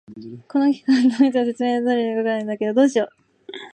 この機械、どう見ても説明書通りに動かないんだけど、どうしよう。